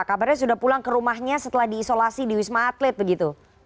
kabarnya sudah pulang ke rumahnya setelah diisolasi di wisma atlet begitu